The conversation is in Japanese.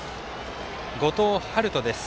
後藤陽人です。